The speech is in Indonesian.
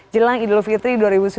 jelang idul fitri dua ribu sembilan belas